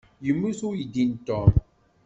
Yemmut uydi n Tom.